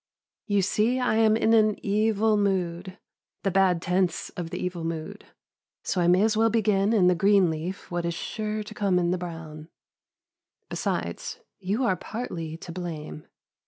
You see I am in an evil mood, the bad tense of the evil mood; so I may as well begin in the green leaf what is sure to come in the brown. Besides, you are partly to blame!